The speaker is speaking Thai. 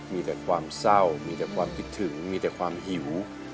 มีแต่ความเศร้ามีแต่ความคิดถึงมีแต่ความหิว